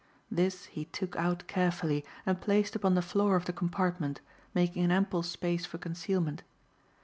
This he took out carefully and placed upon the floor of the compartment, making an ample space for concealment.